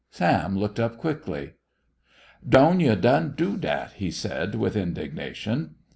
Sam looked up quickly. "Doan you done do dat!" he said, with indignation.